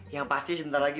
yang pasti sebentar lagi